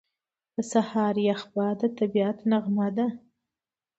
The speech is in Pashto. • د سهار یخ باد د طبیعت نغمه ده.